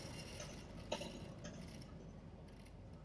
辐叶形软珊瑚为软珊瑚科叶形软珊瑚属下的一个种。